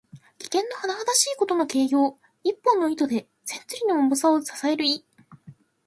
危険のはなはだしいことの形容。一本の糸で千鈞の重さを支える意。